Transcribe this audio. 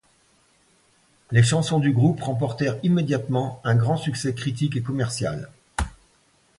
Les chansons du groupe remportèrent immédiatement un grand succès critique et commercial.